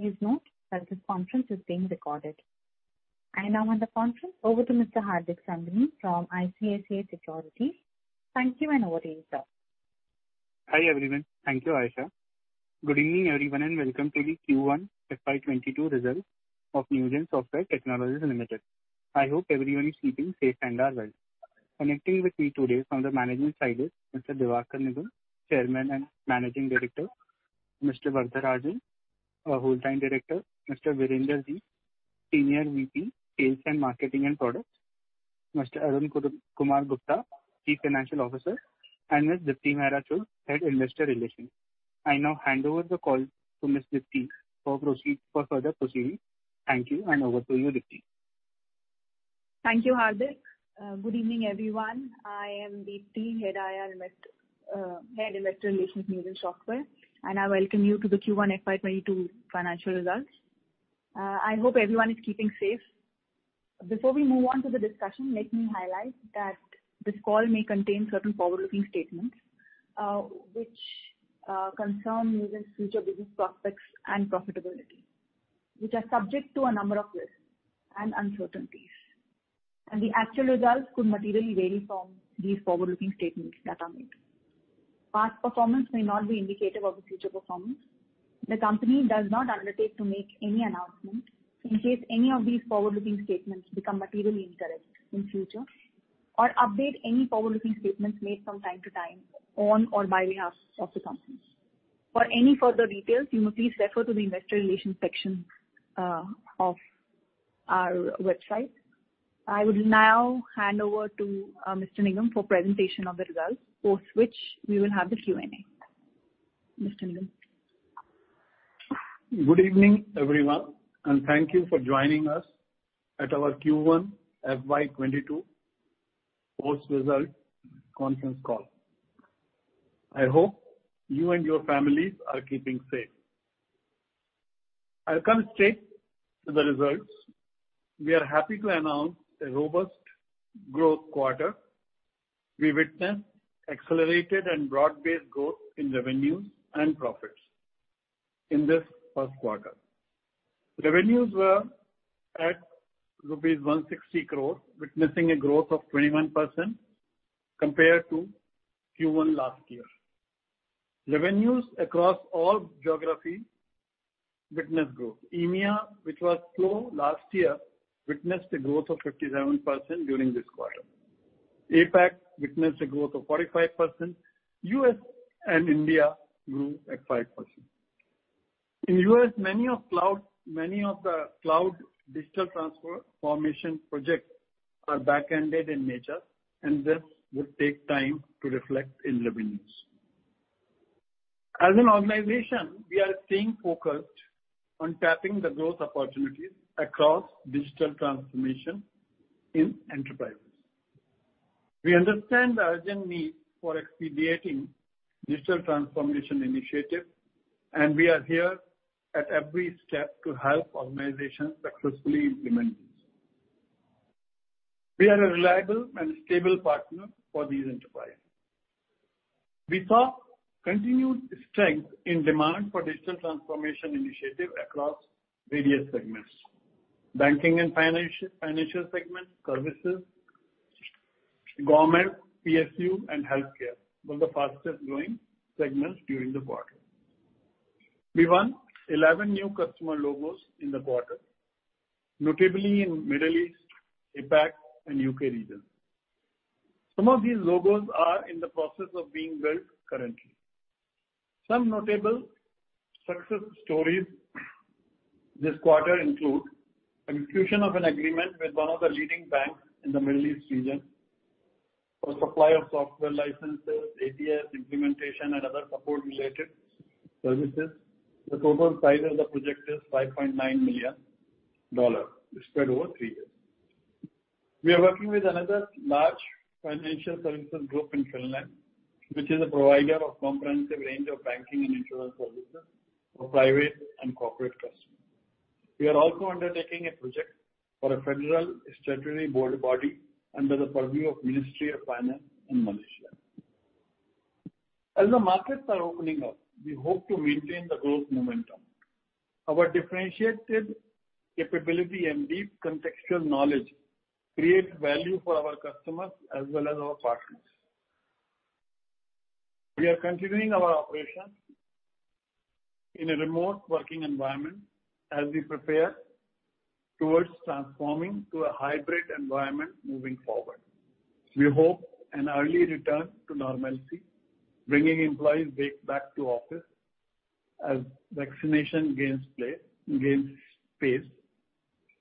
Please note that this conference is being recorded. I now hand the conference over to Mr. Hardik Sangani from ICICI Securities. Thank you, and over to you, sir. Hi, everyone. Thank you, Aisha. Good evening, everyone, and welcome to the Q1 FY 2022 results of Newgen Software Technologies Limited. I hope everyone is keeping safe and are well. Connecting with me today from the management side is Mr. Diwakar Nigam, Chairman and Managing Director, Mr. Varadarajan, a Wholetime Director, Mr. Virender Jeet, Senior VP, Sales and Marketing and Products, Mr. Arun Kumar Gupta, Chief Financial Officer, and Ms. Deepti Mehra Chugh, Head Investor Relations. I now hand over the call to Ms. Deepti for further proceedings. Thank you, and over to you, Deepti. Thank you, Hardik. Good evening, everyone. I am Deepti, Head – Investor Relations, Newgen Software, and I welcome you to the Q1 FY 20 22 financial results. I hope everyone is keeping safe. Before we move on to the discussion, let me highlight that this call may contain certain forward-looking statements, which concern Newgen's future business prospects and profitability, which are subject to a number of risks and uncertainties, and the actual results could materially vary from these forward-looking statements that are made. Past performance may not be indicative of future performance. The company does not undertake to make any announcement in case any of these forward-looking statements become materially incorrect in future or update any forward-looking statements made from time to time on or by behalf of the company. For any further details, you may please refer to the investor relations section of our website. I would now hand over to Mr. Nigam for presentation of the results, post which we will have the Q and A. Mr. Nigam. Good evening, everyone. Thank you for joining us at our Q1 FY 2022 post-result conference call. I hope you and your families are keeping safe. I'll come straight to the results. We are happy to announce a robust growth quarter. We witnessed accelerated and broad-based growth in revenues and profits in this first quarter. Revenues were at rupees 160 crores, witnessing a growth of 21% compared to Q1 last year. Revenues across all geographies witnessed growth. EMEA, which was slow last year, witnessed a growth of 57% during this quarter. APAC witnessed a growth of 45%. U.S. and India grew at 5%. In U.S., many of the cloud digital transformation projects are back-ended in nature. This would take time to reflect in revenues. As an organization, we are staying focused on tapping the growth opportunities across digital transformation in enterprises. We understand the urgent need for expediting digital transformation initiative, and we are here at every step to help organizations successfully implement this. We are a reliable and stable partner for these enterprises. We saw continued strength in demand for digital transformation initiative across various segments. Banking and financial segment, services, government, PSU, and healthcare were the fastest-growing segments during the quarter. We won 11 new customer logos in the quarter, notably in Middle East, APAC, and U.K. region. Some of these logos are in the process of being built currently. Some notable success stories this quarter include execution of an agreement with one of the leading banks in the Middle East region for supply of software licenses, ATS implementation, and other support-related services. The total size of the project is $5.9 million, spread over three years. We are working with another large financial services group in Finland, which is a provider of comprehensive range of banking and insurance services for private and corporate customers. We are also undertaking a project for a federal statutory body under the purview of Ministry of Finance in Malaysia. As the markets are opening up, we hope to maintain the growth momentum. Our differentiated capability and deep contextual knowledge creates value for our customers as well as our partners. We are continuing our operations in a remote working environment as we prepare towards transforming to a hybrid environment moving forward. We hope an early return to normalcy, bringing employees back to office as vaccination gains pace.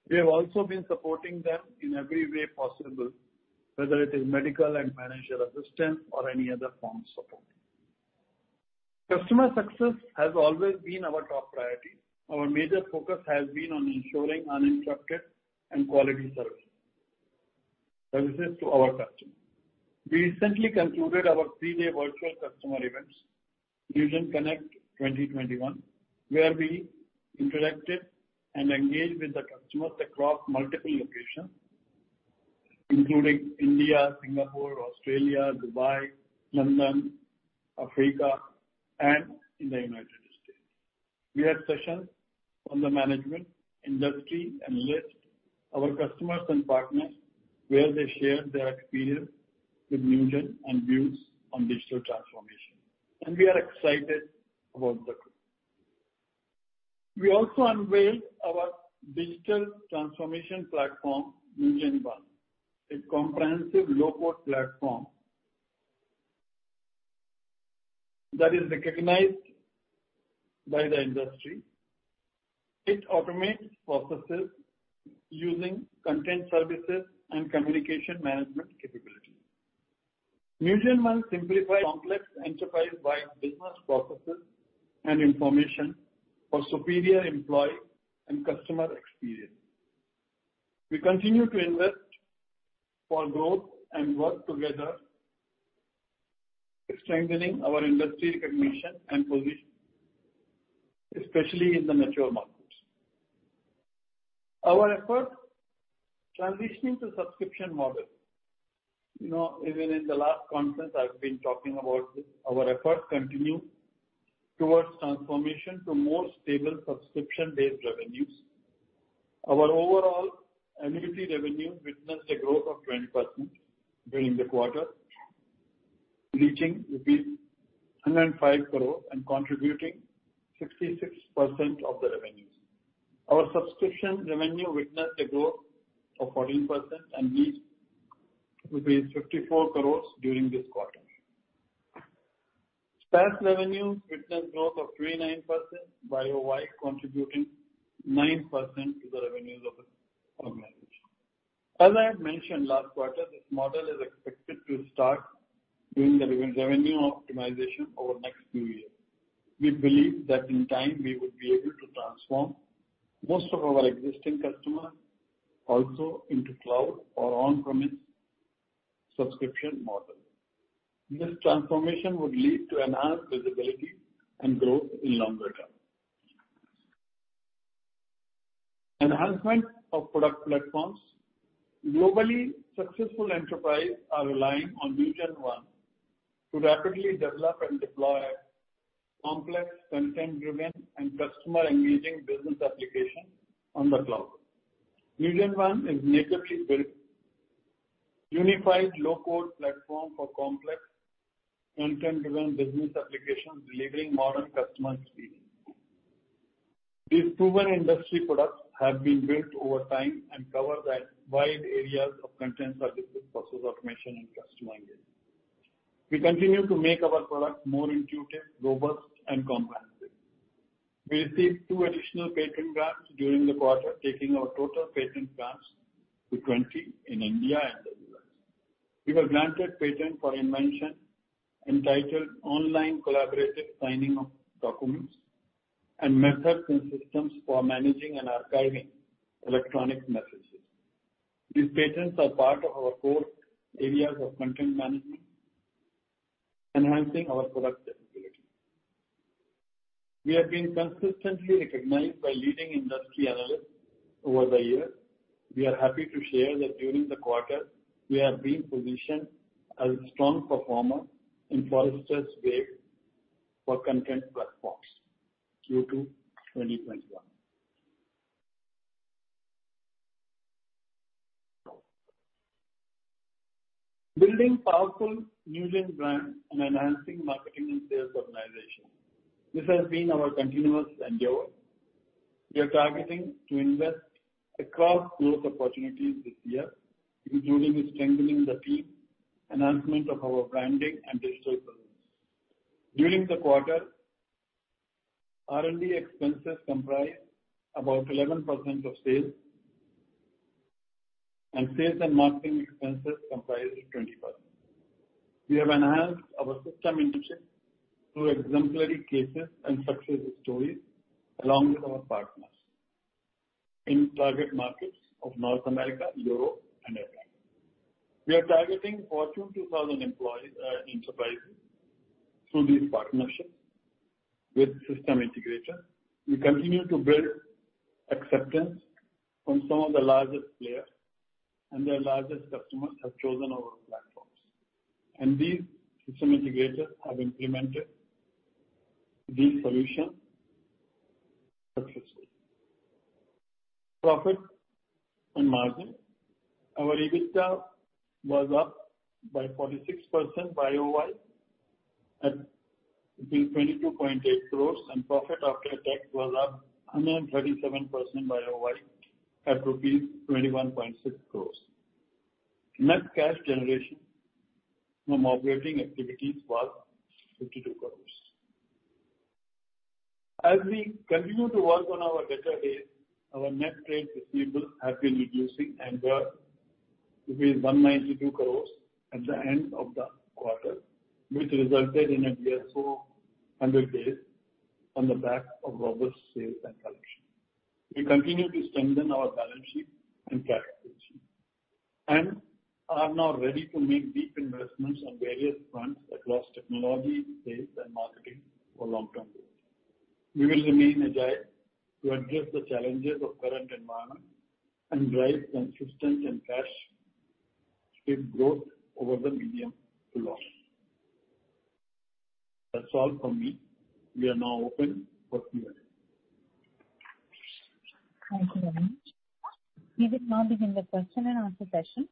We have also been supporting them in every way possible, whether it is medical and managerial assistance or any other form of support. Customer success has always been our top priority. Our major focus has been on ensuring uninterrupted and quality services to our customers. We recently concluded our three-day virtual customer events, Newgen Connect 2021, where we interacted and engaged with the customers across multiple locations, including India, Singapore, Australia, Dubai, London, Africa, and in the United States. We had sessions from the management, industry, analysts, our customers, and partners, where they shared their experience with Newgen and views on digital transformation. We are excited about that. We also unveiled our digital transformation platform, NewgenONE, a comprehensive low-code platform that is recognized by the industry. It automates processes using content services and communication management capabilities. NewgenONE simplifies complex enterprise-wide business processes and information for superior employee and customer experience. We continue to invest for growth and work together, strengthening our industry recognition and position, especially in the mature markets. Our efforts transitioning to subscription model. Even in the last conference, I've been talking about this. Our efforts continue towards transformation to more stable subscription-based revenues. Our overall annuity revenue witnessed a growth of 20% during the quarter, reaching rupees 105 crore and contributing 66% of the revenues. Our subscription revenue witnessed a growth of 14% and reached 54 crores during this quarter. SaaS revenue witnessed growth of 39% YoY, contributing 9% to the revenues of the organization. As I had mentioned last quarter, this model is expected to start giving the revenue optimization over the next few years. We believe that in time we would be able to transform most of our existing customers also into cloud or on-premise subscription model. This transformation would lead to enhanced visibility and growth in longer term. Enhancement of product platforms. Globally, successful enterprise are relying on NewgenONE to rapidly develop and deploy complex content-driven and customer-engaging business applications on the cloud. NewgenONE is natively built, unified low-code platform for complex content-driven business applications, delivering modern customer experience. These proven industry products have been built over time and cover the wide areas of content services, process automation, and customer engagement. We continue to make our product more intuitive, robust, and comprehensive. We received two additional patent grants during the quarter, taking our total patent grants to 20 in India and the U.S. We were granted patent for invention entitled Online Collaborative Signing of Documents and Methods and Systems for Managing and Archiving Electronic Messages. These patents are part of our core areas of content management, enhancing our product capability. We have been consistently recognized by leading industry analysts over the years. We are happy to share that during the quarter, we have been positioned as strong performer in The Forrester Wave for content platforms Q2 2021. Building powerful Newgen brand and enhancing marketing and sales organization. This has been our continuous endeavor. We are targeting to invest across growth opportunities this year, including strengthening the team, enhancement of our branding and digital presence. During the quarter, R&D expenses comprised about 11% of sales, and sales and marketing expenses comprised 20%. We have enhanced our system integration through exemplary cases and success stories along with our partners in target markets of North America, Europe, and APAC. We are targeting Forbes Global 2000 employees in enterprises through these partnerships with system integrators. We continue to build acceptance from some of the largest players, and their largest customers have chosen our platforms. These system integrators have implemented these solutions successfully. Profit and margin. Our EBITDA was up by 46% YoY at 22.8 crores. Profit after tax was up 137% YoY at rupees 21.6 crores. Net cash generation from operating activities was 52 crores. As we continue to work on our better days, our net trade receivables have been reducing and were 192 crores at the end of the quarter, which resulted in a DSO 100 days on the back of robust sales and collection. We continue to strengthen our balance sheet and cash position, and are now ready to make big investments on various fronts across technology, sales, and marketing for long-term growth. We will remain agile to address the challenges of current environment and drive consistent and cash-rich growth over the medium to long. That's all from me. We are now open for Q and A. Thank you, Diwakar. We will now begin the question-and-answer session.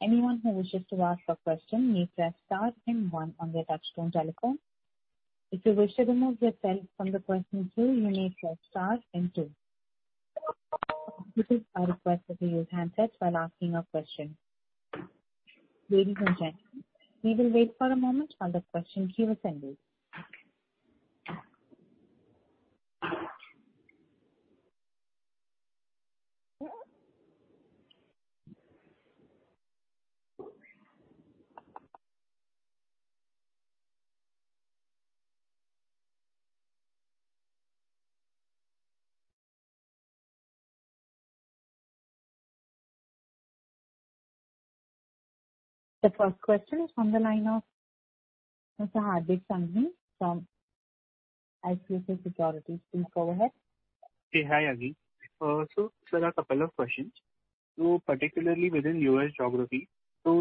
Anyone who wishes to ask a question may press star then one on their touchtone telephone. If you wish to remove yourself from the question queue, you may press star then two. We just request that you use handsets while asking a question. Ladies and gentlemen, we will wait for a moment while the questions queue is ending. The first question is on the line of Mr. Hardik Sangani from ICICI Securities. Please go ahead. Okay. Hi, Virender. Sir, a couple of questions. Particularly within U.S. geography,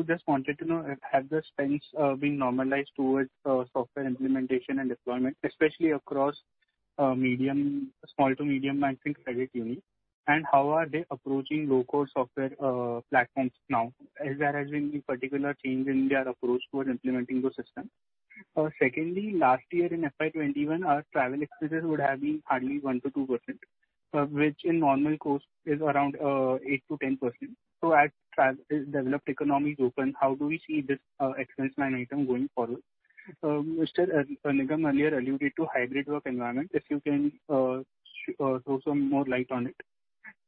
just wanted to know have the spends been normalized towards software implementation and deployment, especially across small to medium banking credit unions, and how are they approaching low-code software platforms now? Has there been any particular change in their approach towards implementing those systems? Secondly, last year in FY 2021, our travel expenses would have been hardly 1%-2%, which in normal course is around 8%-10%. As developed economies open, how do we see this expense line item going forward? Mr. Nigam earlier alluded to hybrid work environment, if you can throw some more light on it.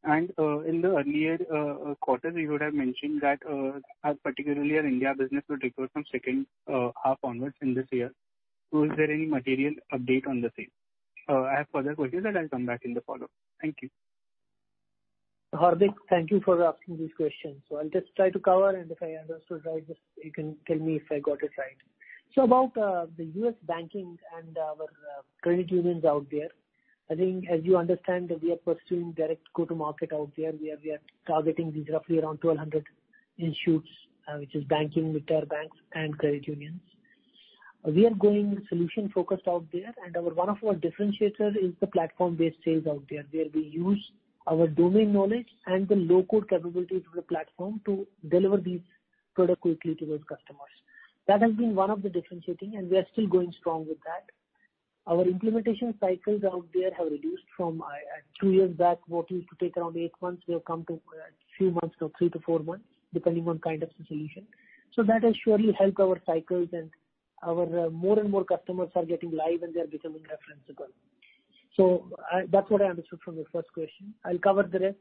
In the earlier quarter, you would have mentioned that particularly our India business would recover from second half onwards in this year. Is there any material update on the same? I have further questions, and I'll come back in the follow-up. Thank you. Hardik Sangani, thank you for asking these questions. I'll try to cover, and if I understood right, you can tell me if I got it right. About the U.S. banking and our credit unions out there, I think as you understand that we are pursuing direct go-to-market out there, where we are targeting these roughly around 1,200 institutes, which is banking with our banks and credit unions. We are going solution-focused out there, one of our differentiators is the platform-based sales out there, where we use our domain knowledge and the low-code capabilities of the platform to deliver these products quickly to those customers. That has been one of the differentiating, we are still going strong with that. Our implementation cycles out there have reduced from two years back, what used to take around eight months, we have come to two months now, three to four months, depending on kind of the solution. That has surely helped our cycles and more and more customers are getting live and they are becoming referenceable. That's what I understood from your first question. I'll cover the rest.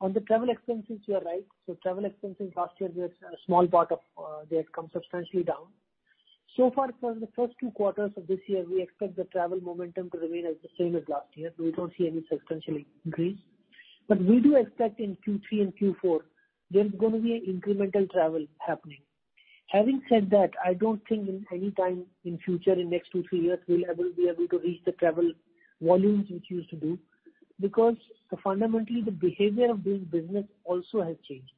On the travel expenses, you are right. Travel expenses last year were a small part of, they had come substantially down. So far for the first two quarters of this year, we expect the travel momentum to remain as the same as last year. We don't see any substantial increase. We do expect in Q3 and Q4, there's going to be incremental travel happening. Having said that, I don't think in any time in future, in next two, three years, we'll be able to reach the travel volumes which used to be. Fundamentally, the behavior of doing business also has changed.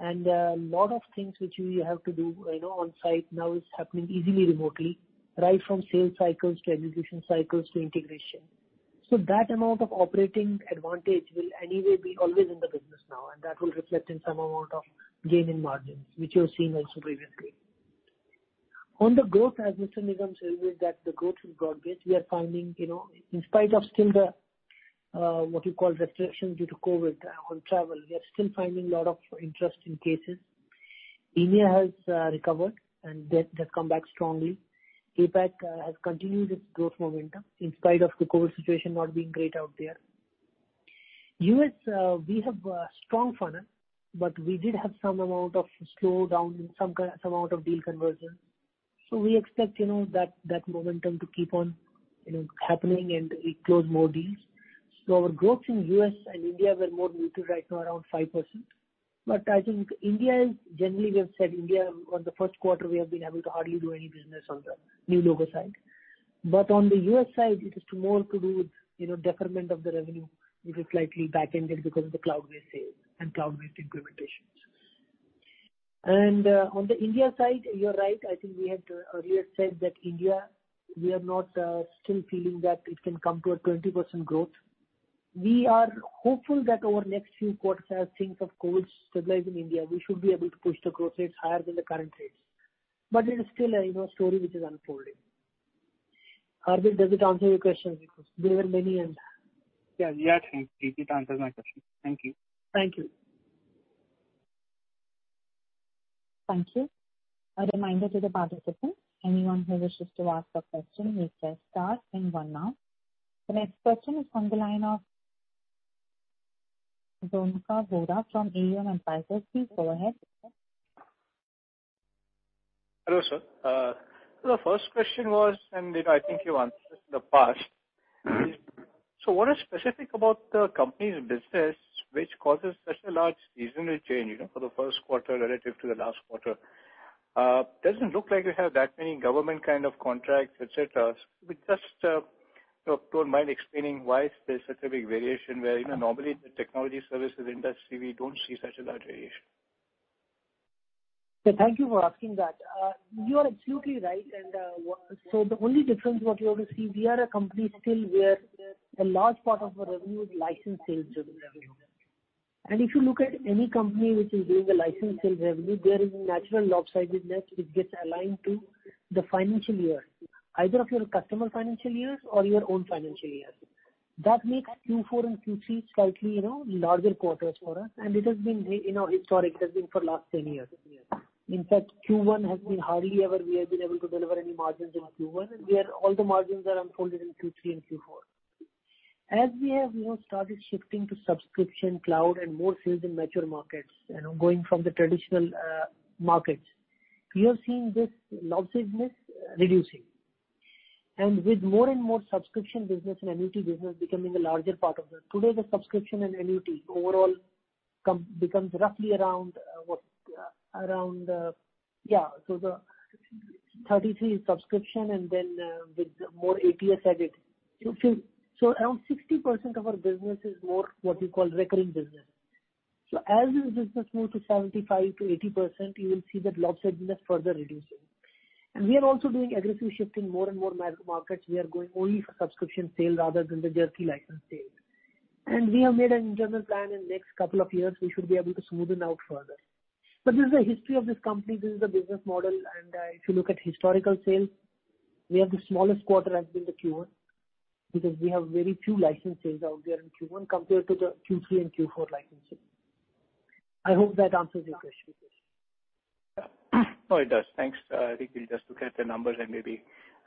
Lot of things which we have to do onsite now is happening easily remotely, right from sales cycles to acquisition cycles to integration. That amount of operating advantage will anyway be always in the business now, and that will reflect in some amount of gain in margins, which you have seen also previously. On the growth, as Mr. Nigam said, with that the growth is broad-based. In spite of still the what you call restrictions due to COVID on travel, we are still finding lot of interest in cases. EMEA has recovered and that has come back strongly. APAC has continued its growth momentum in spite of the COVID situation not being great out there. U.S. we have a strong funnel, but we did have some amount of slowdown in some amount of deal conversion. We expect that momentum to keep on happening and we close more deals. Our growth in U.S. and India were more muted, right now around 5%. I think India is, generally we have said India on the first quarter, we have been able to hardly do any business on the new logo side. On the U.S. side, it is more to do with deferment of the revenue, which is slightly back-ended because of the cloud-based sales and cloud-based implementations. On the India side, you're right, I think we had earlier said that India, we are not still feeling that it can come to a 20% growth. We are hopeful that our next few quarters, as things of COVID stabilize in India, we should be able to push the growth rates higher than the current rates. It is still a story which is unfolding. Hardik, does it answer your questions? Because there were many. Yeah. It answers my question. Thank you. Thank you. Thank you. A reminder to the participants, anyone who wishes to ask a question, hit star then one now. The next question is on the line of Dhonka Godha from AM Enterprises. Please go ahead. Hello, sir. The first question was, and I think you answered in the past. What is specific about the company's business which causes such a large seasonal change for the first quarter relative to the last quarter? It doesn't look like you have that many government kind of contracts, et cetera. If you don't mind explaining why there's such a big variation where, normally in the technology services industry, we don't see such a large variation. Thank you for asking that. You are absolutely right. The only difference what you have seen, we are a company still where a large part of our revenue is license sales revenue. If you look at any company which is doing the license sales revenue, there is a natural lopsidedness which gets aligned to the financial year, either of your customer financial years or your own financial years. That makes Q4 and Q3 slightly larger quarters for us. It has been historic. It has been for last 10 years. In fact, Q1 has been hardly ever we have been able to deliver any margins in Q1, and all the margins are unfolded in Q3 and Q4. As we have now started shifting to subscription cloud and more sales in mature markets and going from the traditional markets, we have seen this lopsidedness reducing. With more and more subscription business and AMC business becoming a larger part of that. Today, the subscription and AMC overall becomes roughly around 33% is subscription, with more ATS added. Around 60% of our business is more what you call recurring business. As this business moves to 75%-80%, you will see that lopsidedness further reducing. We are also doing aggressive shift in more and more markets. We are going only for subscription sale rather than the jerky license sale. We have made an internal plan. In next couple of years, we should be able to smoothen out further. This is the history of this company. This is the business model. If you look at historical sales, we have the smallest quarter has been the Q1 because we have very few license sales out there in Q1 compared to the Q3 and Q4 license sales. I hope that answers your question. Yeah. No, it does. Thanks. I think we'll just look at the numbers and maybe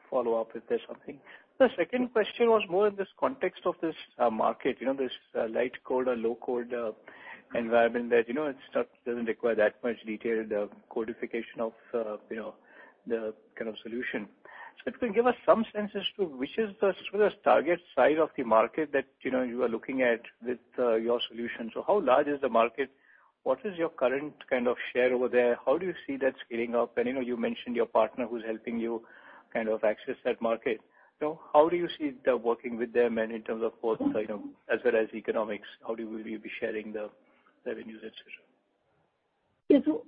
follow up if there's something. The second question was more in this context of this market, this low-code or low-code, environment that stuff doesn't require that much detailed codification of the solution. If you can give us some sense as to which is the target side of the market that you are looking at with your solution. How large is the market? What is your current share over there? How do you see that scaling up? You mentioned your partner who's helping you access that market. How do you see working with them and in terms of cost side as well as economics, how will you be sharing the revenues, et cetera?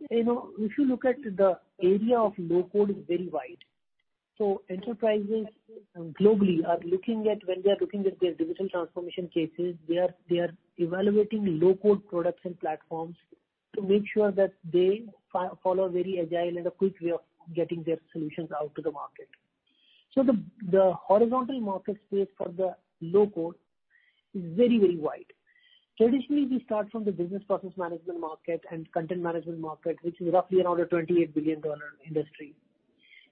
If you look at the area of low-code is very wide. Enterprises globally, when they are looking at their digital transformation cases, they are evaluating low-code products and platforms to make sure that they follow very agile and a quick way of getting their solutions out to the market. The horizontal market space for the low-code is very wide. Traditionally, we start from the business process management market and content management market, which is roughly around a $28 billion industry.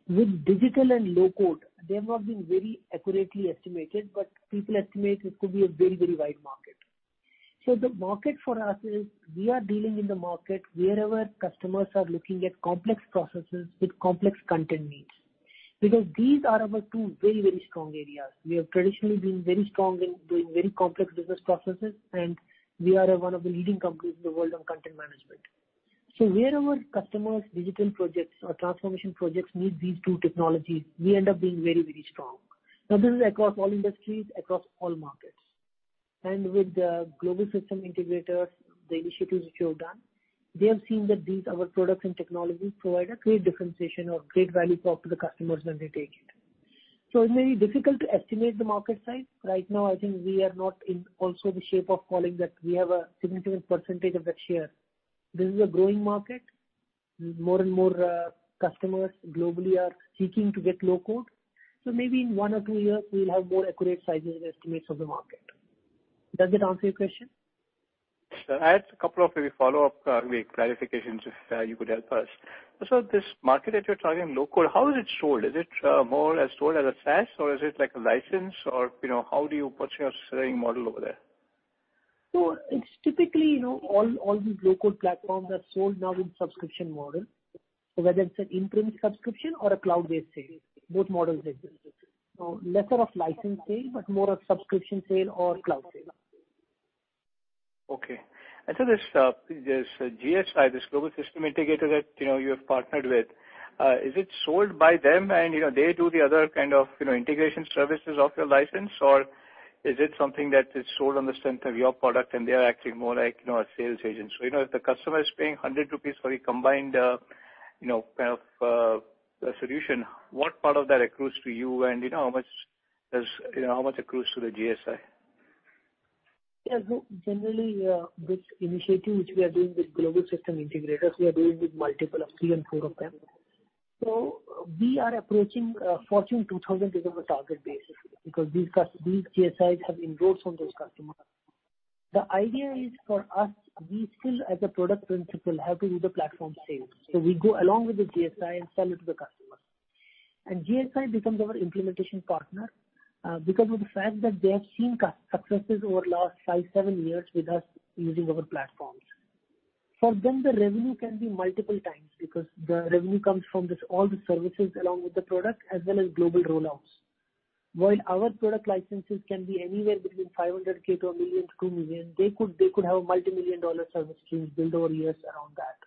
With digital and low-code, they have not been very accurately estimated, but people estimate it could be a very wide market. The market for us is we are dealing in the market wherever customers are looking at complex processes with complex content needs. These are our two very strong areas. We have traditionally been very strong in doing very complex business processes, and we are one of the leading companies in the world on content management. Wherever customers' digital projects or transformation projects need these two technologies, we end up being very strong. This is across all industries, across all markets. With the global system integrators, the initiatives which we have done, they have seen that these, our products and technologies provide a great differentiation or great value prop to the customers when they take it. It may be difficult to estimate the market size. Right now, I think we are not in also the shape of calling that we have a significant percentage of that share. This is a growing market. More and more customers globally are seeking to get low-code. Maybe in one or two years, we'll have more accurate sizes and estimates of the market. Does that answer your question? Sir, I had a couple of maybe follow-up clarifications, if you could help us. This market that you're targeting, low-code, how is it sold? Is it more sold as a SaaS or is it like a license? What's your selling model over there? It's typically, all these low-code platforms are sold now in subscription model. Whether it's an imprint subscription or a cloud-based sale. Both models exist. Lesser of license sale, but more of subscription sale or cloud sale. Okay. This GSI, this global system integrator that you have partnered with, is it sold by them and they do the other kind of integration services of your license? Or is it something that is sold on the strength of your product and they are acting more like a sales agent? If the customer is paying 100 rupees for a combined solution, what part of that accrues to you and how much accrues to the GSI? Generally, this initiative which we are doing with global system integrators, we are doing with multiple of three and four of them. We are approaching Forbes Global 2000 as our target base because these GSIs have inroads on those customers. The idea is for us, we still as a product principal have to do the platform sale. We go along with the GSI and sell it to the customer. GSI becomes our implementation partner because of the fact that they have seen successes over last five, seven years with us using our platforms. For them, the revenue can be multiple times because the revenue comes from all the services along with the product as well as global rollouts. While our product licenses can be anywhere between $500K to $1 million to $2 million, they could have a multimillion-dollar service streams build over years around that.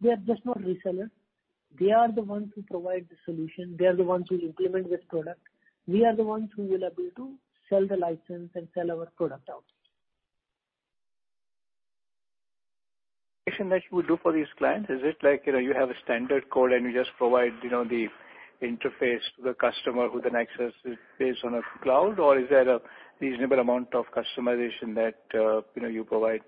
They are just not resellers. They are the ones who provide the solution. They are the ones who implement this product. We are the ones who will be able to sell the license and sell our product out. That you do for these clients. Is it like, you have a standard code and you just provide the interface to the customer who can access it based on a cloud, or is there a reasonable amount of customization that you provide?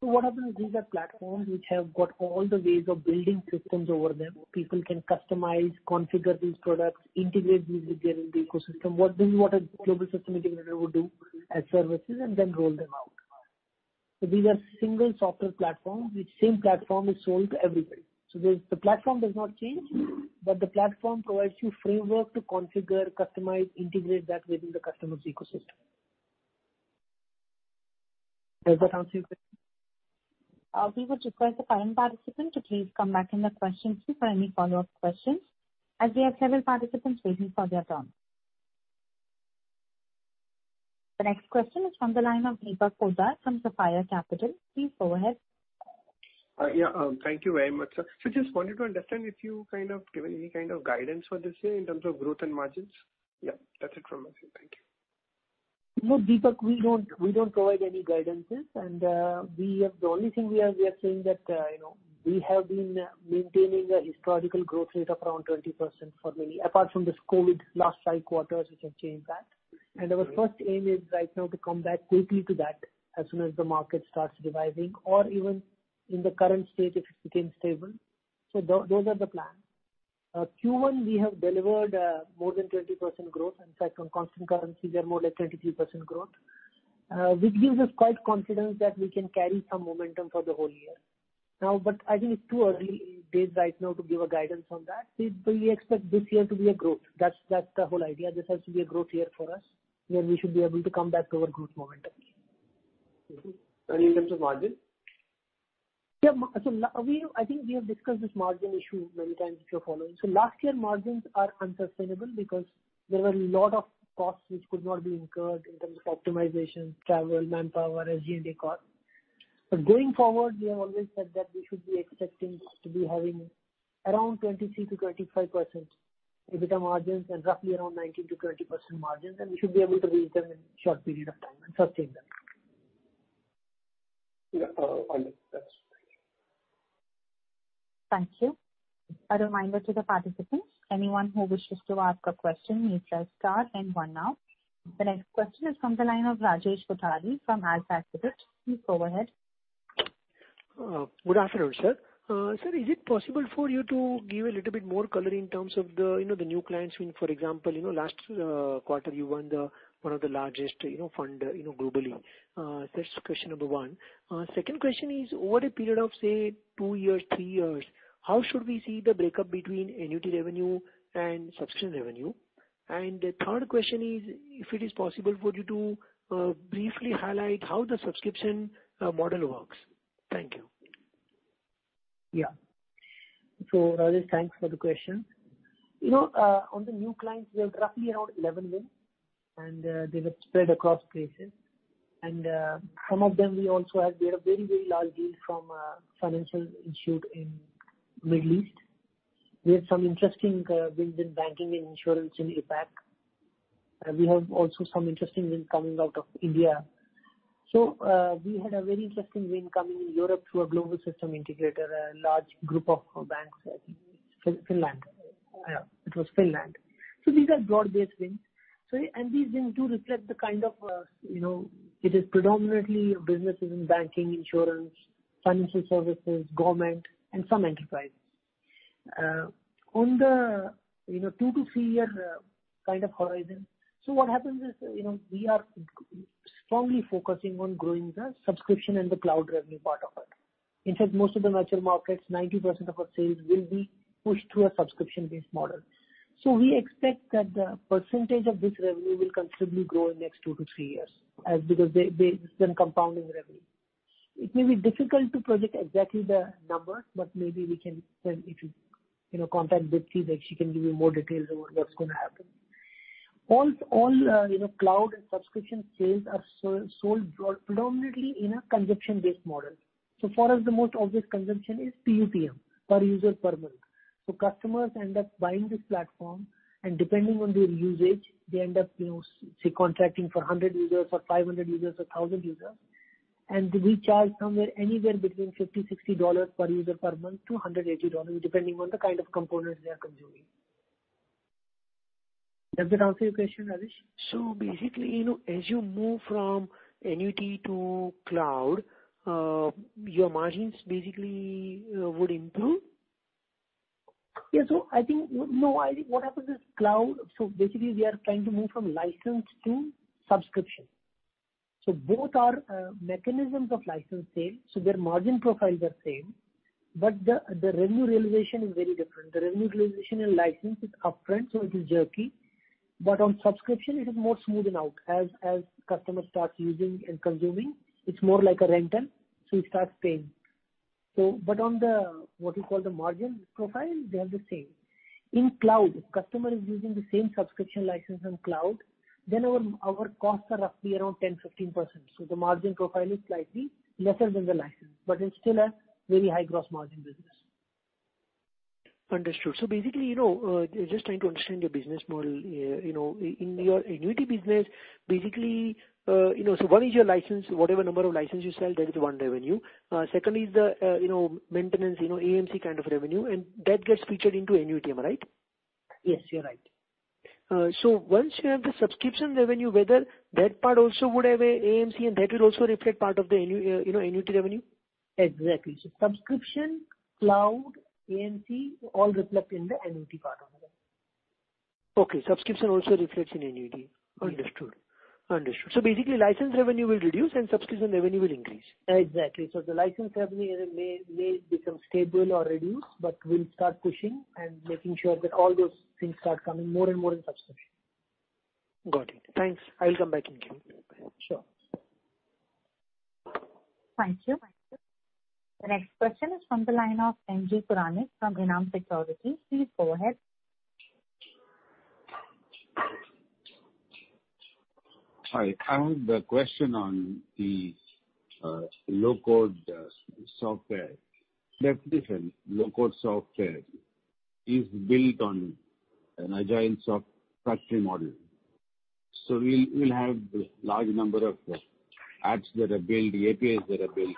What happens is these are platforms which have got all the ways of building systems over them. People can customize, configure these products, integrate these with their ecosystem. This is what a global system integrator would do as services and then roll them out. These are single software platforms which same platform is sold to everybody. The platform does not change, but the platform provides you framework to configure, customize, integrate that within the customer's ecosystem. Does that answer your question? We would request the current participant to please come back in the question queue for any follow-up questions as we have several participants waiting for their turn. The next question is from the line of Deepak Poddar from Sapphire Capital. Please go ahead. Yeah. Thank you very much, sir. Just wanted to understand if you kind of given any kind of guidance for this year in terms of growth and margins. Yeah. That's it from my side. Thank you. No, Deepak, we don't provide any guidances. The only thing we are saying that, we have been maintaining a historical growth rate of around 20% for many, apart from this COVID last five quarters which have changed that. Our first aim is right now to come back quickly to that as soon as the market starts reviving or even in the current state if it became stable. Those are the plans. Q1 we have delivered more than 20% growth. In fact, on constant currency we are more like 23% growth. Which gives us quite confidence that we can carry some momentum for the whole year. I think it's too early days right now to give a guidance on that. We fully expect this year to be a growth. That's the whole idea. This has to be a growth year for us where we should be able to come back to our growth momentum. Okay. In terms of margin? I think we have discussed this margin issue many times if you're following. Last year margins are unsustainable because there were lot of costs which could not be incurred in terms of optimization, travel, manpower, SG&A cost. Going forward, we have always said that we should be expecting to be having around 23%-25% EBITDA margins and roughly around 19%-20% margins and we should be able to reach them in short period of time and sustain them. Yeah. Understood. That's fine. Thank you. A reminder to the participants, anyone who wishes to ask a question, you press star and one now. The next question is from the line of Rajesh Kothari from AlfAccurate Advisors. Please go ahead. Good afternoon, sir. Sir, is it possible for you to give a little bit more color in terms of the new clients? Last quarter you won one of the largest fund globally. That's question number one. Second question is, over a period of, say, two years, three years, how should we see the breakup between annuity revenue and subscription revenue? The third question is, if it is possible for you to briefly highlight how the subscription model works. Thank you. Rajesh, thanks for the question. On the new clients, we have roughly around 11 wins and they were spread across places. Some of them we had a very large deal from a financial institute in Middle East. We have some interesting wins in banking and insurance in APAC. We have also some interesting wins coming out of India. We had a very interesting win coming in Europe through a global system integrator, a large group of banks in Finland. It was Finland. These are broad-based wins. These wins do reflect the kind of, it is predominantly businesses in banking, insurance, financial services, government and some enterprises. On the two to three-year kind of horizon. What happens is, we are strongly focusing on growing the subscription and the cloud revenue part of it. In fact, most of the mature markets, 90% of our sales will be pushed through a subscription-based model. We expect that the percentage of this revenue will considerably grow in next two to three years because they've been compounding revenue. It may be difficult to project exactly the number but maybe we can, if you contact Deepti that she can give you more details about what's going to happen. All cloud and subscription sales are sold predominantly in a consumption-based model. For us the most obvious consumption is PUPM, per user per month. Customers end up buying this platform and depending on their usage they end up say contracting for 100 users or 500 users or 1,000 users and we charge somewhere anywhere between $50, $60 per user per month to $180 depending on the kind of components they are consuming. Does that answer your question, Rajesh? Basically, as you move from annuity to cloud, your margins basically would improve? Yeah. I think, no. I think what happens is basically we are trying to move from licensed to subscription. Both are mechanisms of license sale so their margin profiles are same but the revenue realization is very different. The revenue realization in license is upfront so it is jerky. But on subscription, it is more smoothing out. As customers start using and consuming, it's more like a rental, so you start paying. On the, what you call the margin profile, they are the same. In cloud, customer is using the same subscription license on cloud, then our costs are roughly around 10%, 15%. The margin profile is slightly lesser than the license, but it's still a very high gross margin business. Understood. Basically, just trying to understand your business model. In your annuity business, basically, one is your license. Whatever number of license you sell, that is one revenue. Secondly is the maintenance, AMC kind of revenue, and that gets featured into annuity, am I right? Yes, you're right. Once you have the subscription revenue, whether that part also would have a AMC and that will also reflect part of the annuity revenue? Exactly. Subscription, cloud, AMC, all reflect in the annuity part of the revenue. Okay. Subscription also reflects in annuity. Yes. Understood. Basically, license revenue will reduce and subscription revenue will increase. Exactly. The license revenue may become stable or reduce, but we'll start pushing and making sure that all those things start coming more and more in subscription. Got it. Thanks. I'll come back in case. Sure. Thank you. The next question is from the line of MJ Purani from Renam Securities. Please go ahead. Hi. I have the question on the low-code software. Definitely low-code software is built on an agile software factory model. We'll have large number of apps that are built, APIs that are built.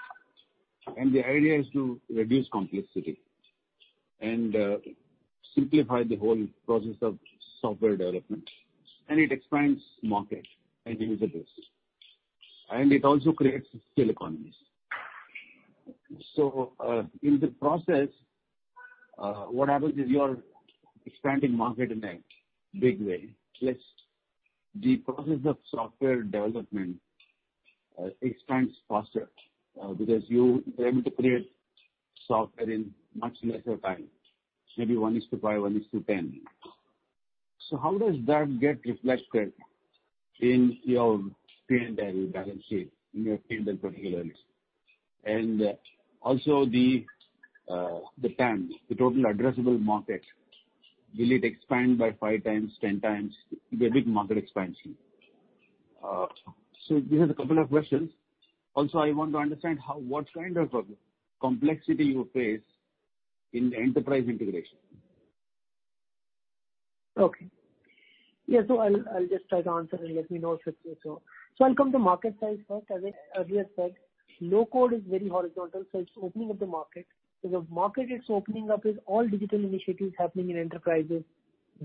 The idea is to reduce complexity and simplify the whole process of software development. It expands market and user base, and it also creates scale economies. In the process, what happens is you are expanding market in a big way, plus the process of software development expands faster. You are able to create software in much lesser time. Maybe one is to five, one is to 10. How does that get reflected in your P&L balance sheet, in your P&L particularly? Also the TAM, the total addressable market. Will it expand by 5 times, 10 times? The big market expansion. These are the couple of questions. I want to understand what kind of complexity you face in the enterprise integration. Okay. Yeah, I'll just try to answer and let me know if it's good. I'll come to market size first. As I earlier said, low-code is very horizontal, so it's opening up the market. The market it's opening up is all digital initiatives happening in enterprises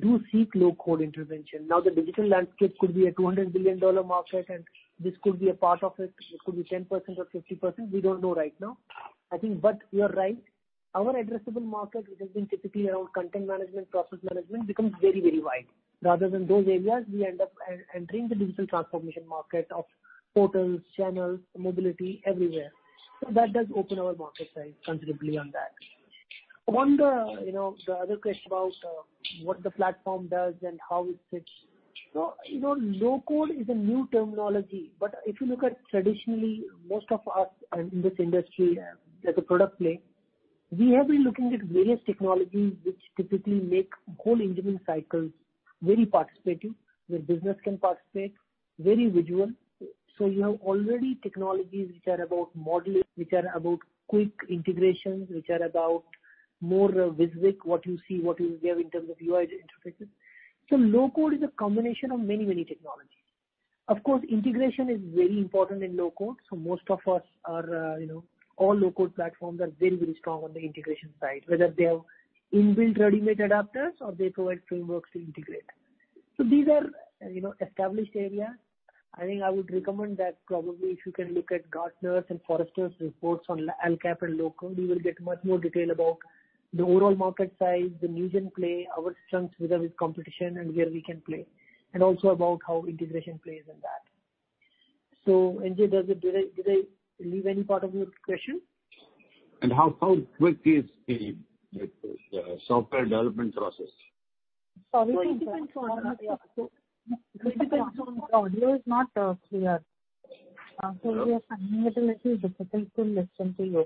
do seek low-code intervention. Now the digital landscape could be a $200 billion market, and this could be a part of it. It could be 10% or 50%. We don't know right now. I think, you are right. Our addressable market, which has been typically around content management, process management, becomes very wide. Rather than those areas, we end up entering the digital transformation market of portals, channels, mobility, everywhere. That does open our market size considerably on that. On the other question about what the platform does and how it fits. Low-code is a new terminology. If you look at traditionally, most of us in this industry as a product play, we have been looking at various technologies which typically make whole engineering cycles very participative, where business can participate, very visual. You have already technologies which are about modeling, which are about quick integrations, which are about more WYSIWYG, what you see what you give in terms of UI interfaces. Low-code is a combination of many technologies. Of course, integration is very important in low-code, all low-code platforms are very strong on the integration side, whether they have inbuilt readymade adapters or they provide frameworks to integrate. These are established area. I think I would recommend that probably if you can look at Gartner and Forrester's reports on LCAP and low-code, you will get much more detail about the overall market size, the Newgen play, our strengths whether with competition and where we can play, and also about how integration plays in that. MJ, did I leave any part of your question? How quick is the software development process? Sorry audio is not clear. We are finding it a little difficult to listen to you.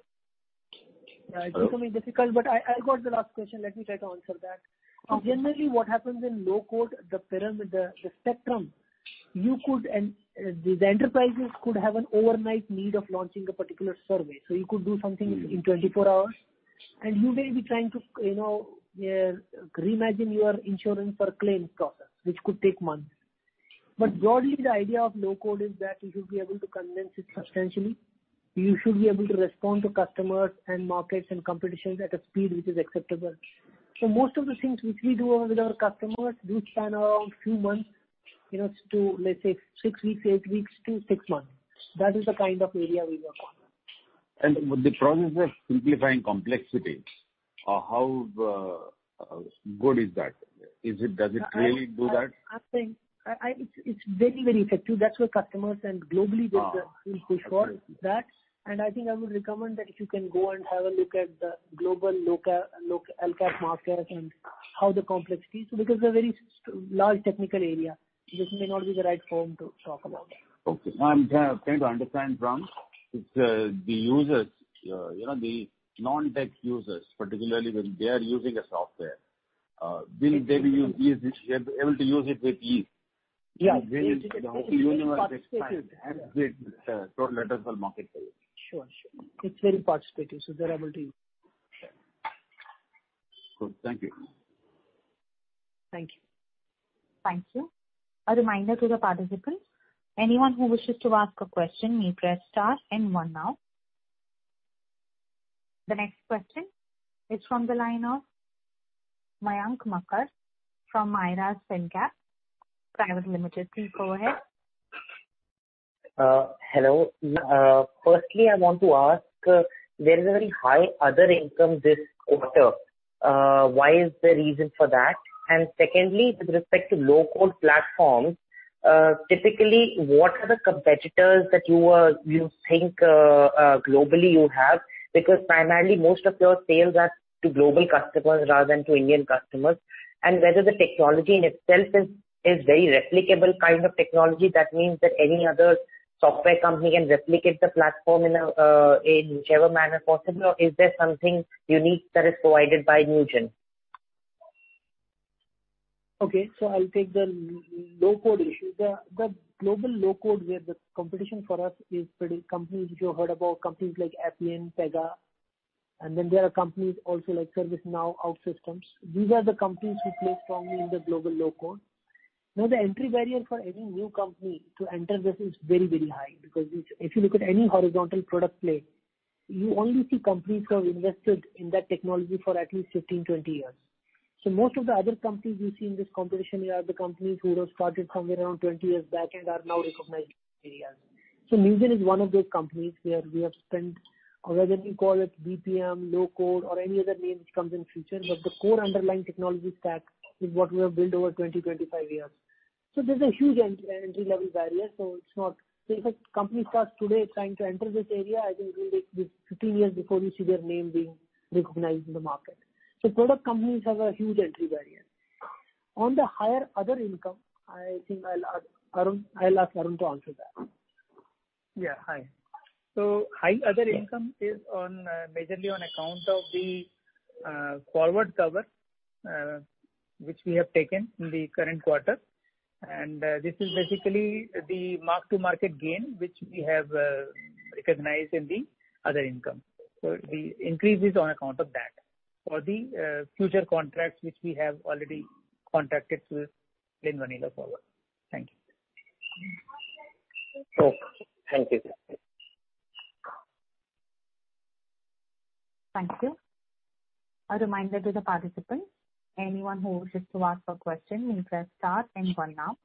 Yeah, it's becoming difficult, I got the last question. Let me try to answer that. Generally what happens in low-code, the spectrum, the enterprises could have an overnight need of launching a particular survey. You could do something in 24 hours, you may be trying to reimagine your insurance for claims process, which could take months. Broadly, the idea of low-code is that you should be able to condense it substantially. You should be able to respond to customers and markets and competitions at a speed which is acceptable. Most of the things which we do with our customers do span around few months. Let's say six weeks, eight weeks to six months. That is the kind of area we work on. The process of simplifying complexity, how good is that? Does it really do that? It's very effective. That's where customers and globally Oh, okay. We push for that. I think I would recommend that if you can go and have a look at the global LCAP market and how the complex is, because they're a very large technical area. This may not be the right forum to talk about it. Okay. I'm trying to understand from the users, the non-tech users, particularly when they are using a software, will they be able to use it with ease? Yeah. The whole universe total addressable market for you. Sure. It's very participatory. They're able to use it. Sure. Good. Thank you. Thank you. Thank you. A reminder to the participants, anyone who wishes to ask a question may press star and one now. The next question is from the line of Mayank Makkar from Mirae Asset Securities Private Limited. Please go ahead. Hello. Firstly, I want to ask, there is a very high other income this quarter. Why is the reason for that? Secondly, with respect to low-code platforms, typically, what are the competitors that you think globally you have? Because primarily, most of your sales are to global customers rather than to Indian customers. Whether the technology in itself is very replicable kind of technology. That means that any other software company can replicate the platform in whichever manner possible or is there something unique that is provided by Newgen? Okay. I'll take the low-code issue. The global low-code where the competition for us is pretty complete. You've heard about companies like Appian, Pega, and then there are companies also like ServiceNow, OutSystems. These are the companies who play strongly in the global low-code. The entry barrier for any new company to enter this is very high. Because if you look at any horizontal product play, you only see companies who have invested in that technology for at least 15, 20 years. Most of the other companies we see in this competition here are the companies who have started somewhere around 20 years back and are now recognized. Newgen is one of those companies where we have spent, or whether you call it BPM, low-code, or any other name which comes in future. The core underlying technology stack is what we have built over 20, 25 years. There's a huge entry-level barrier. If a company starts today trying to enter this area, I think it'll be 15 years before you see their name being recognized in the market. Product companies have a huge entry barrier. On the higher other income, I think I'll ask Arun to answer that. Yeah. Hi. High other income is majorly on account of the forward cover, which we have taken in the current quarter. This is basically the mark-to-market gain, which we have recognized in the other income. The increase is on account of that. For the future contracts, which we have already contracted with plain vanilla forward. Thank you. Okay. Thank you. Thank you. A reminder to the participants, anyone who wishes to ask a question, may press star and one now.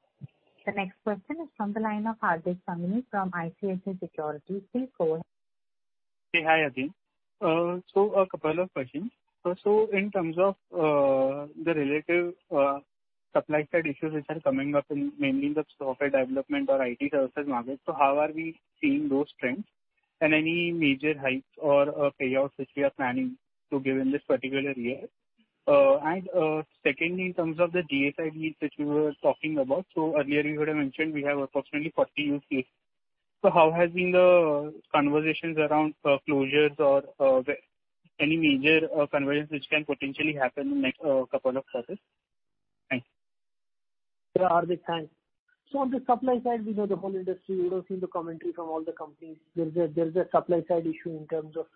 The next question is from the line of Hardik Sangani from ICICI Securities. Please go ahead. Hi, again. A couple of questions. In terms of the relative supply side issues which are coming up in mainly the software development or IT services market. How are we seeing those trends and any major hikes or payouts which we are planning to give in this particular year? Secondly, in terms of the GSI deals which you were talking about. Earlier you would have mentioned we have approximately 40 use cases. How has been the conversations around closures or any major conversions which can potentially happen in the next couple of quarters? Thanks. Yeah, Hardik. Thanks. On the supply side, we know the whole industry. You would have seen the commentary from all the companies. There is a supply side issue in terms of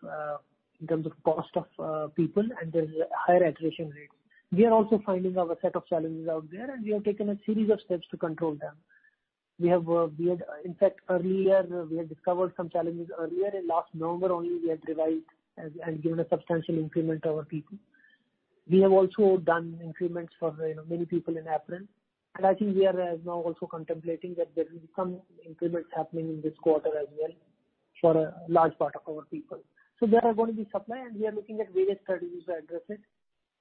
cost of people, and there is a higher attrition rate. We are also finding our set of challenges out there, and we have taken a series of steps to control them. In fact, earlier, we had discovered some challenges earlier in last November only we had revised and given a substantial increment to our people. We have also done increments for many people in April. I think we are now also contemplating that there will be some increments happening in this quarter as well for a large part of our people. There are going to be supply, and we are looking at various strategies to address it.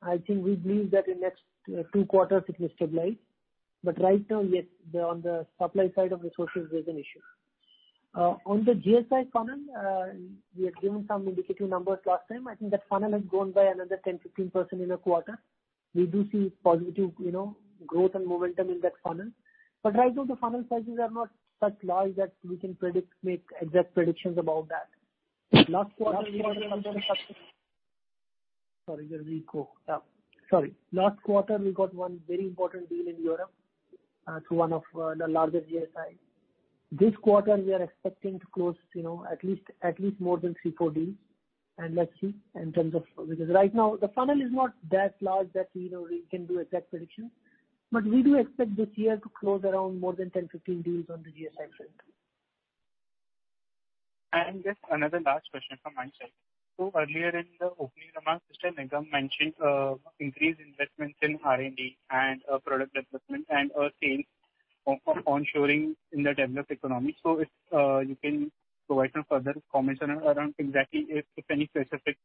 I think we believe that in next two quarters it will stabilize. Right now, yes, on the supply side of resources, there's an issue. On the GSI funnel, we had given some indicative numbers last time. I think that funnel has grown by another 10%, 15% in a quarter. We do see positive growth and momentum in that funnel. Right now the funnel sizes are not such large that we can make exact predictions about that. Sorry, there we go. Sorry. Last quarter, we got one very important deal in Europe through one of the larger GSIs. This quarter, we are expecting to close at least more than three, four deals. Let's see because right now the funnel is not that large that we can do exact prediction. We do expect this year to close around more than 10, 15 deals on the GSI front. Just another last question from my side. Earlier in the opening remarks, Mr. Nigam mentioned increased investments in R&D and product development and sales onshoring in the developed economy. If you can provide some further comments around exactly if any specific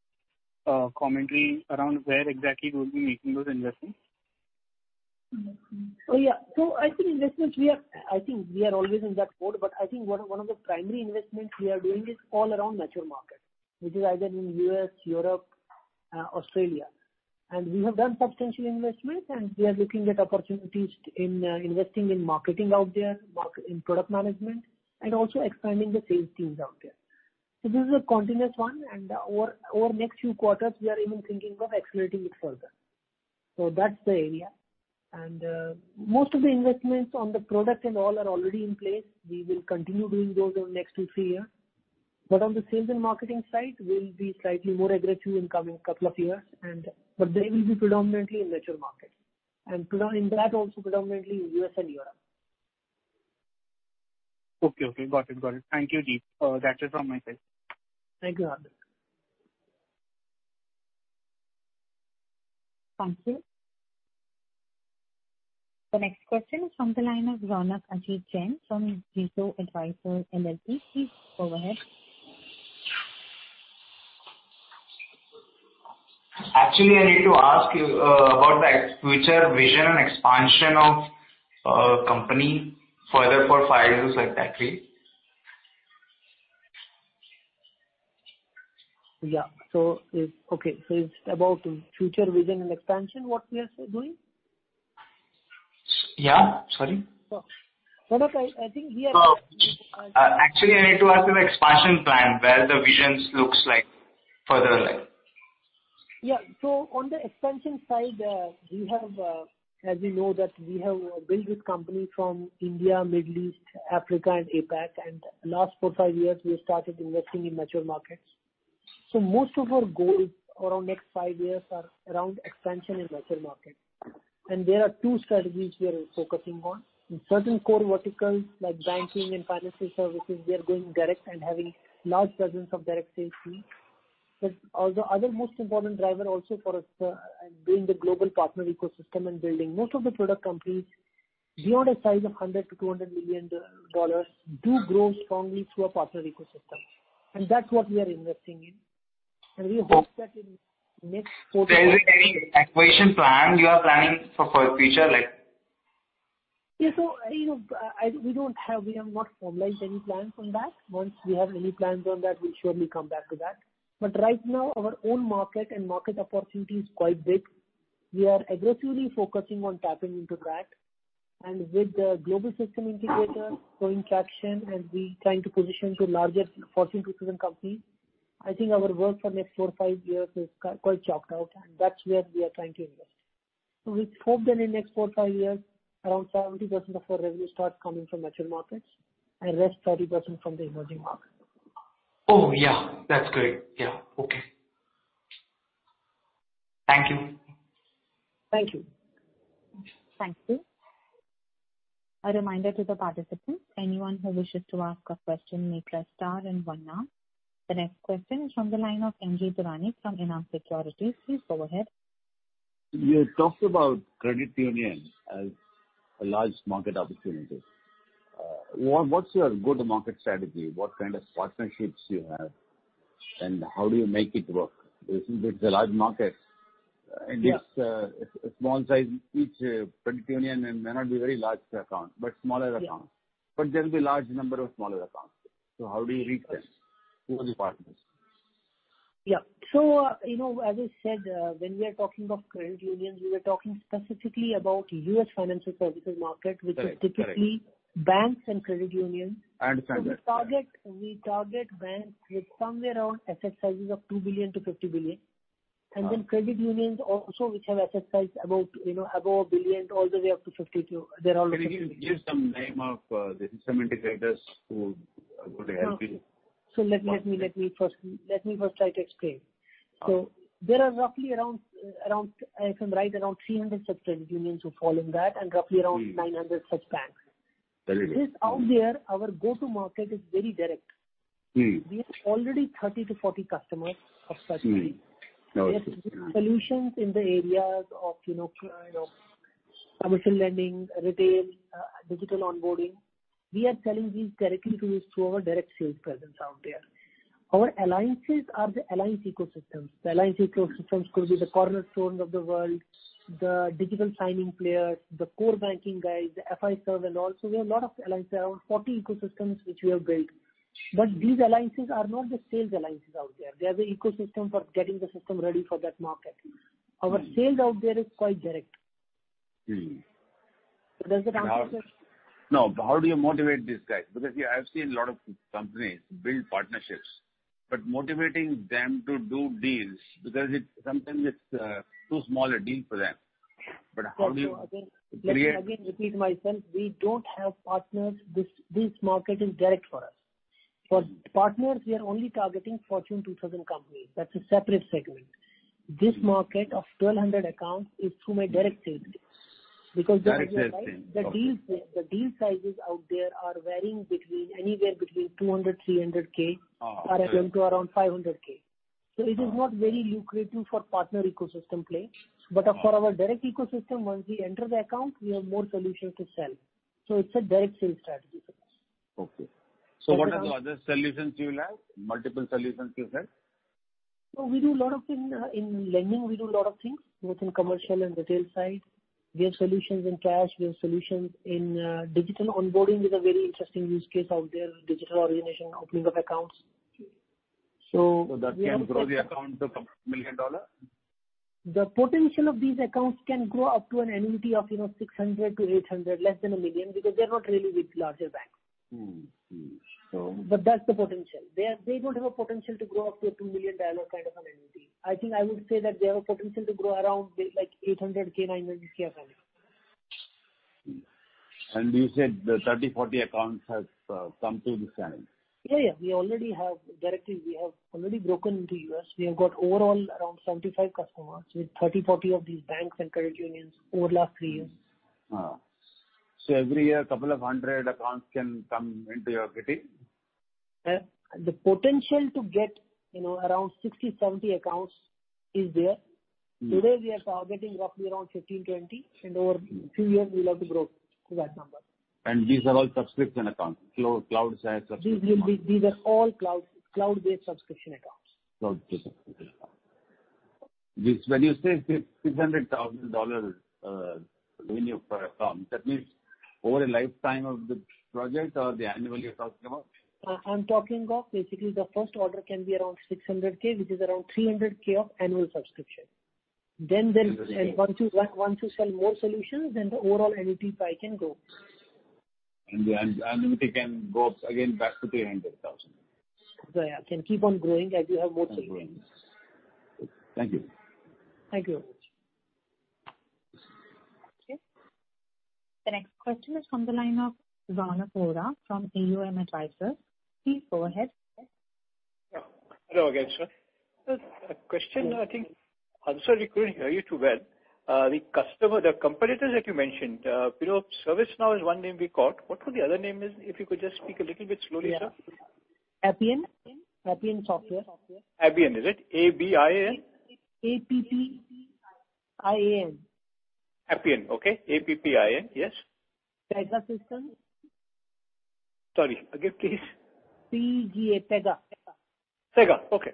commentary around where exactly you will be making those investments? Yeah. I think investments, we are always in that mode, but I think one of the primary investments we are doing is all around mature markets, which is either in U.S., Europe, Australia. We have done substantial investments, and we are looking at opportunities in investing in marketing out there, in product management, and also expanding the sales teams out there. This is a continuous one, and over next few quarters, we are even thinking of accelerating it further. That's the area. Most of the investments on the product and all are already in place. We will continue doing those over next two, three years. On the sales and marketing side, we'll be slightly more aggressive in coming couple of years. They will be predominantly in mature markets. In that also predominantly U.S. and Europe. Okay. Got it. Thank you, Jeet. That is all my side. Thank you, Hardik. Thank you. The next question is from the line of Raunak Ajit Jain from Jito Advisors LLP. Please go ahead. Actually, I need to ask you about the future vision and expansion of company further for five years like that way. Yeah. Okay, so it is about future vision and expansion, what we are doing? Yeah. Sorry. Raunak, I think we are. Actually, I need to ask the expansion plan, where the visions looks like further like? Yeah. On the expansion side, as you know that we have built this company from India, Middle East, Africa and APAC, and last four, five years, we started investing in mature markets. Most of our goals around next five years are around expansion in mature markets. There are two strategies we are focusing on. In certain core verticals like banking and financial services, we are going direct and having large presence of direct sales team. Other most important driver also for us, building the global partner ecosystem. Most of the product companies beyond a size of $100 million-$200 million do grow strongly through a partner ecosystem. That's what we are investing in. Is it any acquisition plan you are planning for future like? Yeah. We have not formalized any plans on that. Once we have any plans on that, we'll surely come back to that. Right now, our own market and market opportunity is quite big. We are aggressively focusing on tapping into that. With the global system integrator going traction and we trying to position to larger Forbes Global 2000 company, I think our work for next four, five years is quite chalked out, and that's where we are trying to invest. We hope that in next four, five years, around 70% of our revenue starts coming from mature markets and rest 40% from the emerging markets. Oh, yeah. That's great. Yeah. Okay. Thank you. Thank you. Thank you. A reminder to the participants, anyone who wishes to ask a question may press star and one now. The next question is from the line of MJ Purani from Renam Securities. Please go ahead. You talked about credit union as a large market opportunity. What's your go-to-market strategy? What kind of partnerships do you have, and how do you make it work? It's a large market. Yeah. It's a small size. Each credit union may not be very large account, but smaller account. Yeah. There'll be large number of smaller accounts. How do you reach them? Who are the partners? Yeah. As I said, when we are talking of credit unions, we were talking specifically about U.S. financial services market. Correct Which is typically banks and credit unions. I understand that. We target banks with somewhere around asset sizes of $2 billion-$50 billion. Uh- Credit unions also, which have asset size above 1 billion all the way up to 52. Can you give some name of the system integrators who are going to help you? Let me first try to explain. Okay. There are roughly, if I'm right, around 300 such credit unions who fall in that and roughly around 900 such banks. Very good. This out there, our go-to market is very direct. We have already 30-40 customers of such banks. Okay. We have solutions in the areas of commercial lending, retail, digital onboarding. We are selling these directly to these through our direct sales presence out there. Our alliances are the alliance ecosystems. The alliance ecosystems could be the cornerstone of the world, the digital signing players, the core banking guys, the Fiserv and all. We have a lot of alliances, around 40 ecosystems which we have built. These alliances are not the sales alliances out there. They're the ecosystem for getting the system ready for that market. Our sales out there is quite direct. Does that answer your question? No. How do you motivate these guys? Yeah, I've seen a lot of companies build partnerships, but motivating them to do deals, because sometimes it's too small a deal for them. How do you create? Again, let me again repeat myself, we don't have partners. This market is direct for us. For partners, we are only targeting Forbes Global 2000 companies. That's a separate segment. This market of 1,200 accounts is through my direct sales team. Direct sales team. Okay The deal sizes out there are varying anywhere between $200,000-$300,000. Oh, okay. To around 500 thousand. Oh. It is not very lucrative for partner ecosystem play. Yeah. For our direct ecosystem, once we enter the account, we have more solutions to sell. It's a direct sales strategy for us. Okay. What are the other solutions you will have? Multiple solutions you said. In lending, we do a lot of things, both in commercial and retail side. We have solutions in cash, we have solutions in digital onboarding is a very interesting use case out there, digital origination, opening of accounts. That can grow the account to $1 million? The potential of these accounts can grow up to an annuity of $600,000-$800,000, less than $1 million, because they're not really with larger banks. That's the potential. They don't have a potential to grow up to a $2 million kind of an annuity. I think I would say that they have a potential to grow around $800K, $900K of annual. You said 30, 40 accounts have come to this channel? Yeah. Directly, we have already broken into U.S. We have got overall around 75 customers, with 30, 40 of these banks and credit unions over last three years. Every year, 200 accounts can come into your kitty? The potential to get around 60, 70 accounts is there. Today we are targeting roughly around 15, 20, and over two years we'll have to grow to that number. These are all subscription accounts, cloud- These are all cloud-based subscription accounts. Cloud-based subscription accounts. When you say $600,000 revenue per account, that means over a lifetime of the project or the annual you're talking about? I'm talking of basically the first order can be around $600K, which is around $300K of annual subscription. Once you sell more solutions, then the overall annuity pie can grow. The annuity can go up again back to $ 300,000. Yeah. Can keep on growing as you have. Keep growing. Thank you. Thank you very much. The next question is from the line of Rana Arora from AUM Advisors. Please go ahead. Yeah. Hello again, sir. Sir, a question, I think. I'm sorry, couldn't hear you too well. The competitors that you mentioned. ServiceNow is one name we caught. What were the other name is, if you could just speak a little bit slowly, sir? Yeah. Appian Corporation. Appian, is it? A-B-I-N? A-P-P-I-A-N. Appian. Okay. A-P-P-I-A-N. Yes. Pegasystems. Sorry, again, please. P-E-G-A, Pega. Pega, okay.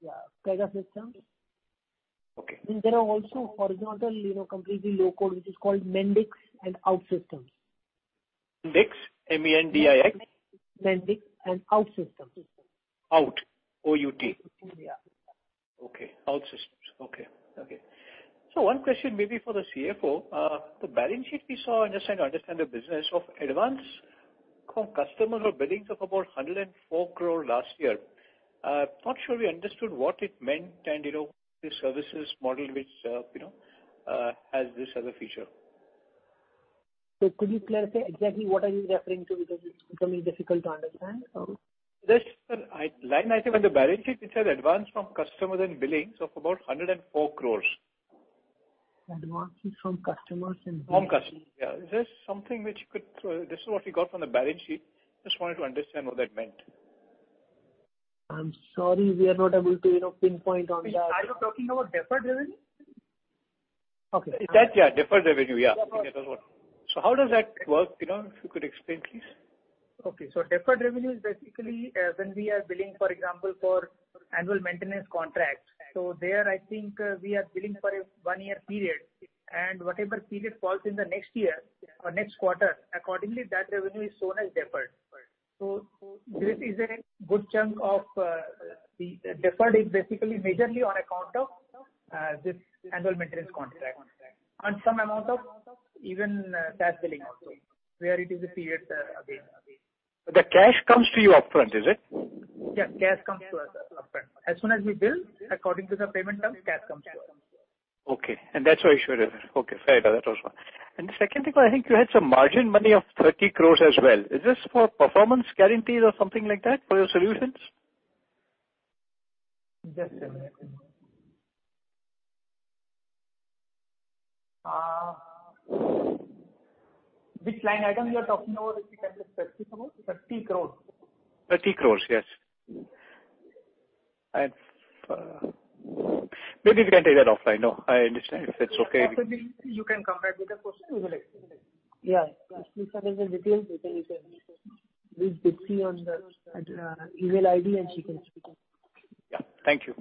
Yeah. Pegasystems. Okay. There are also horizontal, completely low-code, which is called Mendix and OutSystems. Mendix. M-E-N-D-I-X? Mendix and OutSystems. Out. O-U-T. Yeah. Okay. OutSystems. Okay. One question maybe for the CFO. The balance sheet we saw, I'm just trying to understand the business, of advance from customers or billings of about 104 crore last year. We are not sure we understood what it meant and the services model which has this as a feature. Could you clarify exactly what are you referring to? Because it's becoming difficult to understand. This line item on the balance sheet, it says advance from customers and billings of about 104 crores. Advances from customers and- From customers, yeah. This is what we got from the balance sheet. Just wanted to understand what that meant. I'm sorry, we are not able to pinpoint on that. Are you talking about deferred revenue? Okay. That. Yeah. Deferred revenue. Yeah. That was what. How does that work? If you could explain, please. Deferred revenue is basically when we are billing, for example, for Annual Maintenance Contracts. There, I think we are billing for a one-year period, and whatever period falls in the next year or next quarter, accordingly that revenue is shown as deferred. This is a good chunk of the deferred, is basically majorly on account of this Annual Maintenance Contract. Some amount of even cash billing also, where it is a period again. The cash comes to you upfront, is it? Cash comes to us upfront. As soon as we bill, according to the payment term, cash comes to us. Okay. That's why you showed it. Okay, fair. That was why. The second thing, I think you had some margin money of 30 crores as well. Is this for performance guarantees or something like that for your solutions? Just a minute. Which line item you're talking about exactly, 30 crores? 30 crores, yes. Maybe we can take that offline. No, I understand, if it's okay. You can come back with the question, we will explain. If you send us the details, we can reach Deepti on the email ID, and she can speak. Yeah. Thank you.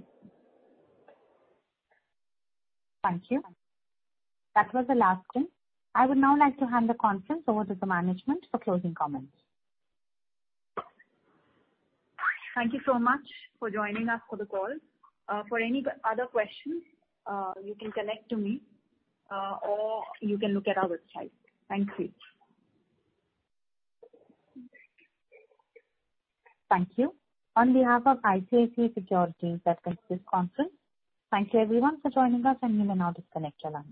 Thank you. That was the last one. I would now like to hand the conference over to the management for closing comments. Thank you so much for joining us for the call. For any other questions, you can connect to me, or you can look at our website. Thank you. Thank you. On behalf of ICICI Securities, that concludes conference. Thank you everyone for joining us, and you may now disconnect your lines.